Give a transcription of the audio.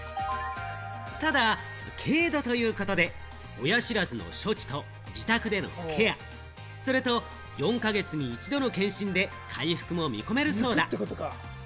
ただ軽度ということで、親知らずの処置と自宅でのケア、それと４か月に一度の検診で回復も見込めるそうだ。